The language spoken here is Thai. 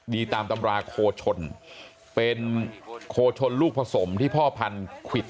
ดีตามตำราโคชนเป็นโคชนลูกผสมที่พ่อพันธุ์ควิด